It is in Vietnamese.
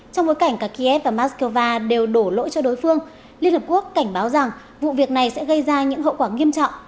trong bối cảnh cả kiev và moscow đều đổ lỗi cho đối phương liên hợp quốc cảnh báo rằng vụ việc này sẽ gây ra những hậu quả nghiêm trọng